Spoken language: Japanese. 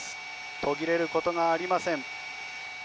途切れることがありません。